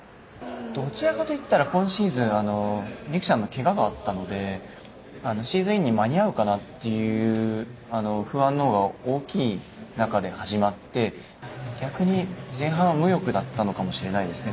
どちらかといったら今シーズンは璃来ちゃんのけががあったのでシーズンインに間に合うかなという不安のほうが大きい中で始まって逆に前半は無欲だったのかもしれないですね。